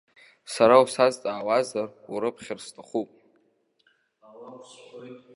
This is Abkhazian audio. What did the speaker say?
Сара усазҵаауазар, урыԥхьар сҭахуп.